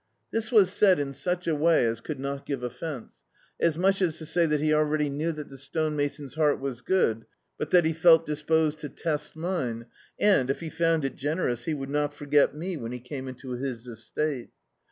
This was said in such a way as could not give offence; as much as to say that he already knew that the stonemason's heart was good, but that he felt disposed to test mine and, if he found it generous, he would not for get me when he came into his estate.